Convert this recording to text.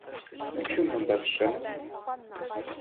И почему мандат Шэннона?